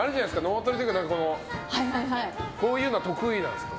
脳トレというかこういうの得意なんですか？